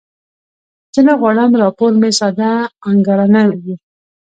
زه نه غواړم راپور مې ساده انګارانه وي.